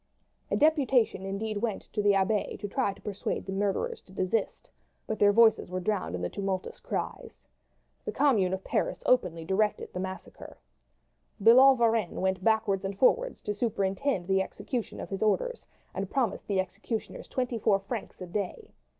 A deputation indeed went to the Abbaye to try to persuade the murderers to desist; but their voices were drowned in the tumultuous cries. The Commune of Paris openly directed the massacre. Billaud Varennes went backwards and forwards to superintend the execution of his orders, and promised the executioners twenty four francs a day.